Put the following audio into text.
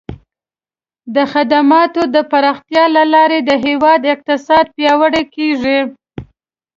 د خدماتو د پراختیا له لارې د هیواد اقتصاد پیاوړی کیږي.